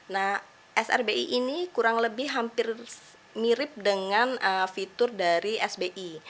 nah srbi ini kurang lebih hampir mirip dengan fitur dari sbi